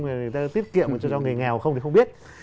người ta tiết kiệm cho người nghèo không thì không biết